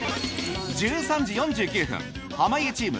１３時４９分濱家チーム